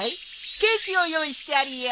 ケーキを用意してあるよ。